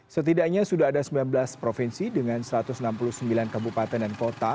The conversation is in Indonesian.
setidaknya sudah ada sembilan belas provinsi dengan satu ratus enam puluh sembilan kabupaten dan kota